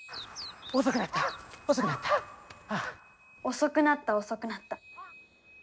「遅くなった遅くなった」。